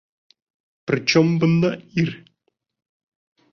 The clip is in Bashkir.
Причем бында ир?